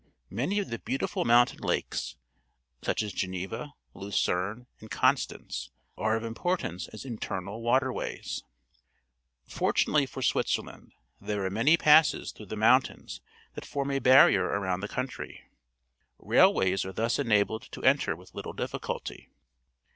Many of the beautiful mountain lakes, such as Geneva, Lucerne, and Constance, are of importance as internal waterways. Fortunately for Switzerland, there are many passes through the mountains that form a barrier around the country. Rail w\iys are thus enabled to enter with little difficulty.